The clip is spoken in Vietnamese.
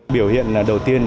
biểu hiện đầu tiên